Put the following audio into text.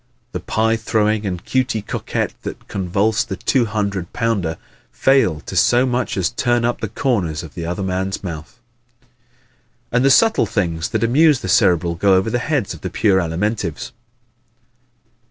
The pie throwing and Cutey Coquette that convulse the two hundred pounder fail to so much as turn up the corners of the other man's mouth. And the subtle things that amuse the Cerebral go over the heads of the pure Alimentives.